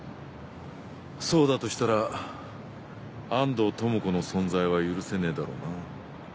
そうだとしたら安藤智子の存在は許せねえだろうな。